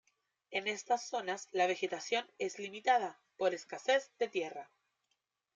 En estas zonas la vegetación es limitada, por escasez de tierra.